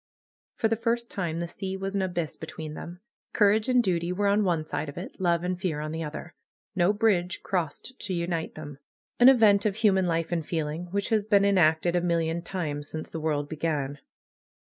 For the first time the sea was an abyss between them. Courage and duty were on one side of it; love and fear on the other. No bridge crossed to unite them. An event of human life and feeling, which has been enacted a million times since the world began.